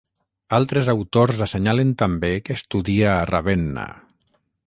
Altres autors assenyalen també que estudia a Ravenna.